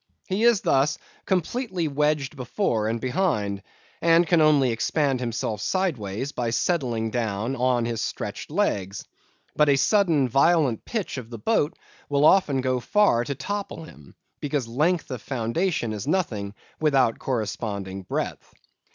He is thus completely wedged before and behind, and can only expand himself sideways by settling down on his stretched legs; but a sudden, violent pitch of the boat will often go far to topple him, because length of foundation is nothing without corresponding breadth.